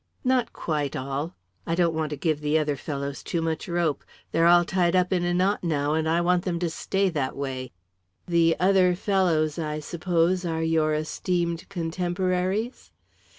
"Not quite all. I don't want to give the other fellows too much rope. They're all tied up in a knot, now, and I want them to stay that way." "The 'other fellows,' I suppose, are your esteemed contemporaries?"